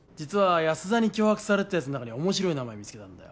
安田に脅迫されてたやつの中に面白い名前見つけたんだよ